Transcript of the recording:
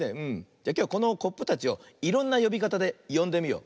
じゃきょうはこのコップたちをいろんなよびかたでよんでみよう。